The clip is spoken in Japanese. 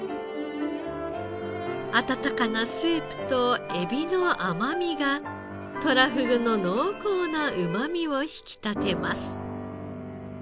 温かなスープとエビの甘みがとらふぐの濃厚なうまみを引き立てます。